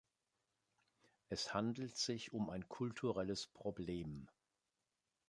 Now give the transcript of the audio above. Es handelt sich um ein kulturelles Problem.